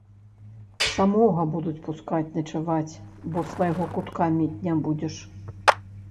Самога будуць пускаць начаваць, бо свайго кутка мець не будзеш.